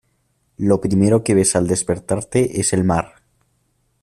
lo primero que ves al despertarte es el mar.